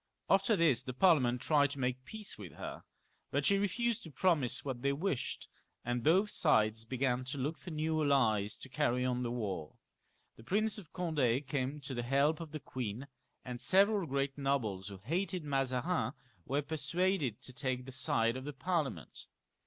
After this the Parliament tried to make a peace with her; but she refdsed to promise what they wished, and both sides began to look for new allies to carry on the war. The Prince of Condd came to the help of the queen, and several great nobles who hated Mazarin were per suaded to take the side of the Parliament.